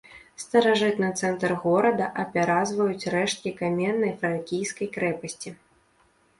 Старажытны цэнтр горада апяразваюць рэшткі каменнай фракійскай крэпасці.